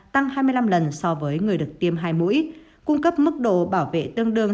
tăng hai mươi năm lần so với người được tiêm hai mũi cung cấp mức độ bảo vệ tương đương